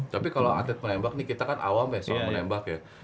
tapi kalau atlet menembak nih kita kan awam ya soal menembak ya